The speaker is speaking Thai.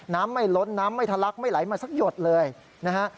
น้ำไม่ล้นน้ำไม่ทะลักไม่ไหลมาสักหยดเลยนะฮะ